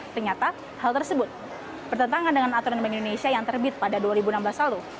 ternyata hal tersebut bertentangan dengan aturan bank indonesia yang terbit pada dua ribu enam belas lalu